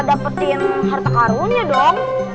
dapetin harta karunnya dong